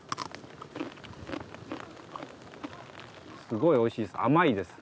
すごいおいしいです。